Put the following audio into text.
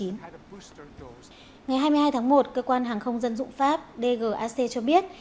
ngày hai mươi hai tháng một cơ quan hàng không dân dụng pháp dgac cho biết